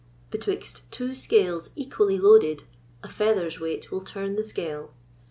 Betwixt two scales equally loaded, a feather's weight will turn the scale.